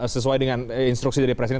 sesuai dengan instruksi dari presiden